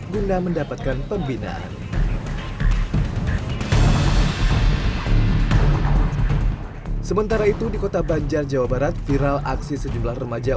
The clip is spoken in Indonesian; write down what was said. guna mendapatkan pembinaan sementara itu di kota banjar jawa barat viral aksi sejumlah remaja